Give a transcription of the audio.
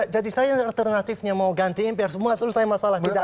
jadi saya alternatifnya mau gantiin biar semua seluruh saya masalah tidak ada lagi